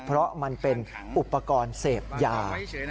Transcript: เพราะมันเป็นอุปกรณ์เสพยา